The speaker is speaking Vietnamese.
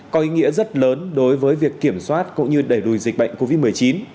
có ý nghĩa rất lớn đối với việc kiểm soát cũng như đẩy lùi dịch bệnh covid một mươi chín